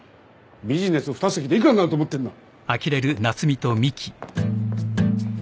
ビジネス２席で幾らになると思ってんだ。